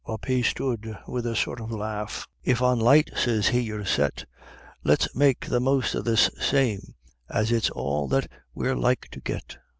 Up he stood with a sort o' laugh: "If on light," sez he, "ye're set, Let's make the most o' this same, as it's all that we're like to get."